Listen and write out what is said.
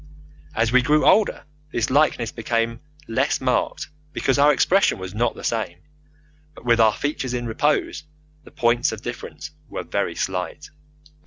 As we grew older this likeness became less marked because our expression was not the same, but with our features in repose the points of difference were very slight.